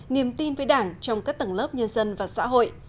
niềm tin với đảng trong các tầng lớp nhân dân và xã hội